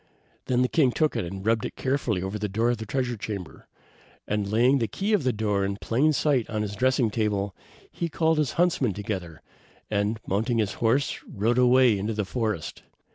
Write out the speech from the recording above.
Then the king took it and rubbed it carefully over the door of the treasure chamber, and laying the key of the door in plain sight on his dressing table, he called his huntsmen together, and mounting his horse, rode away to the forest.